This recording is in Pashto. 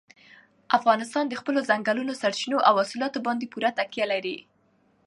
افغانستان د خپلو ځنګلي سرچینو او حاصلاتو باندې پوره تکیه لري.